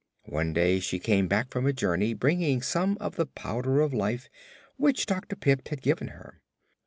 One day she came back from a journey bringing some of the Powder of Life, which Dr. Pipt had given her.